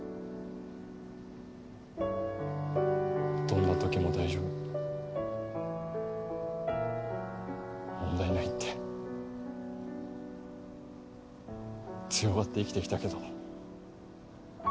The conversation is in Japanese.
どんな時も大丈夫問題ないって強がって生きてきたけど。